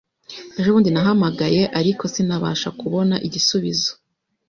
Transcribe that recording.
Ejo bundi nahamagaye, ariko sinabasha kubona igisubizo.